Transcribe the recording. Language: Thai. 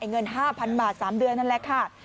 เงิน๕๐๐๐บาท๓เดือนนั่นแหละค่ะ